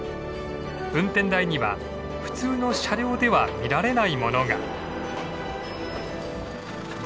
運転台には普通の車両では見られないものが。